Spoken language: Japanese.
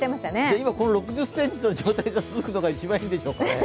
今、６０ｃｍの状態が続くのが一番いいんでしょうかね。